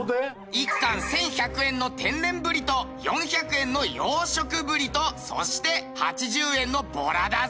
１貫１１００円の天然ぶりと４００円の養殖ぶりとそして８０円のボラだぞ。